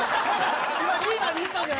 今リーダーに言ったんじゃ？